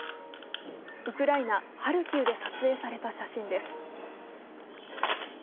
ウクライナ・ハルキウで撮影された写真です。